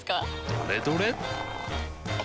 どれどれっ！